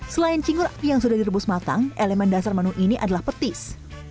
selain cingur yang sudah direbus matang elemen dasar menu ini adalah petis